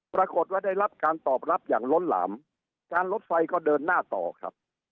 ปรากฏว่าได้รับการตอบรับอย่างล้นหลามการลดไฟก็เดินหน้าต่อครับ